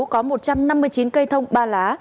có một trăm năm mươi chín cây thông ba lá